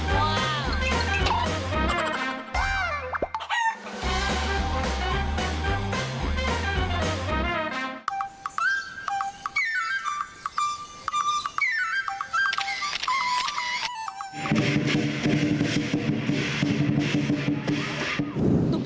สวัสดีค่ะ